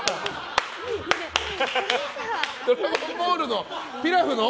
「ドラゴンボール」のピラフの。